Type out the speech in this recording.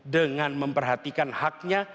dengan memperhatikan haknya